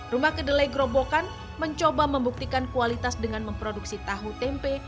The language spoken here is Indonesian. rumah kedelai gerobokan mencoba membuktikan kualitas dengan memproduksi tahu tempe